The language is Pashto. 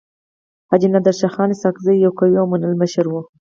حاجي نادر شاه خان اسحق زی يو قوي او منلی مشر وو.